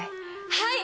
はい！